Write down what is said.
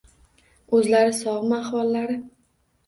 — O‘zlari sog‘mi, ahvollari?..